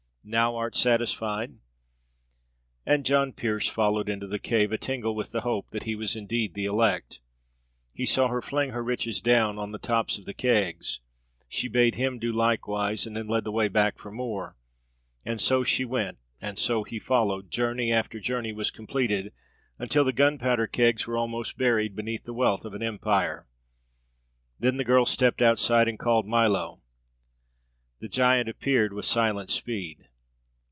Now art satisfied?" And John Pearse followed into the cave, a tingle with the hope that he was indeed the elect. He saw her fling her riches down on the tops of the kegs; she bade him do likewise, and then led the way back for more. And so she went, and so he followed; journey after journey was completed, until the gunpowder kegs were almost buried beneath the wealth of an empire. Then the girl stepped outside, and called Milo. The giant appeared with silent speed.